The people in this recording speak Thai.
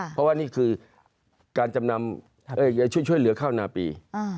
เพราะว่านี่คือการช่วยเหลือเข้านาปี